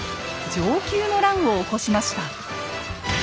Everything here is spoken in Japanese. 「承久の乱」を起こしました。